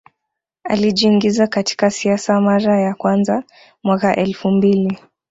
Alijiingiza katika siasa mara ya kwanza mwaka elfu mbili